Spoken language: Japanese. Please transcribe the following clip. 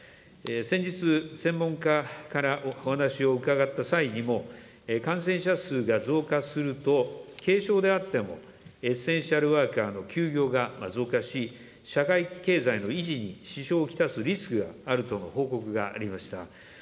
先日、専門家からお話を伺った際にも、感染者数が増加すると、軽症であってもエッセンシャルワーカーの休業が増加し、社会経済の維持に支障を来すリスクがあるとの報告がありました。